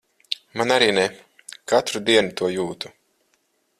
Man arī ne. Katru dienu to jūtu.